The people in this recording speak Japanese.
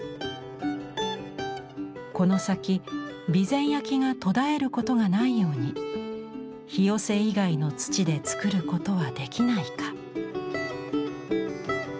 この先備前焼が途絶えることがないように「ひよせ」以外の土で作ることはできないか？